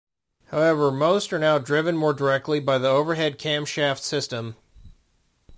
However, most are now driven more directly by the overhead camshaft system.